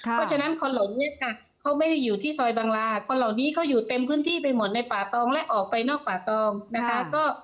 เพราะฉะนั้นคนหลงเนี่ยค่ะเขาไม่ได้อยู่ที่ซอยบังลาคนเหล่านี้เขาอยู่เต็มพื้นที่ไปหมดในป่าตองและออกไปนอกป่าตองนะคะ